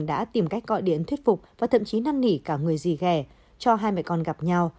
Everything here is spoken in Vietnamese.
đã tìm cách gọi điện thuyết phục và thậm chí năn nỉ cả người gì ghè cho hai mẹ con gặp nhau